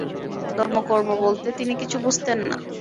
ধর্ম-কর্ম বলতে তিনি কিছু বুঝতেন না।